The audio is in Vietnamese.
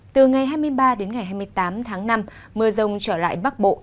từ ngày hai mươi ba hai mươi tám tháng năm mưa rông trở lại bắc bộ